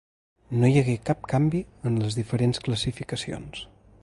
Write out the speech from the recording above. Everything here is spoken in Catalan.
No hi hagué cap canvi en les diferents classificacions.